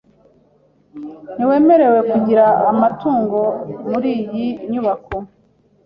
Ntiwemerewe kugira amatungo muriyi nyubako.